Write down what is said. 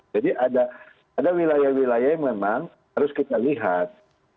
jadi ada wilayah wilayah yang memang harus kita lihat